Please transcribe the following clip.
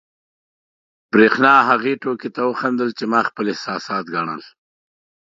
برېښنا هغې ټوکې ته وخندل، چې ما خپل احساسات ګڼل.